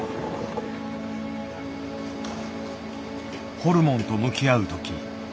ホルモンと向き合う時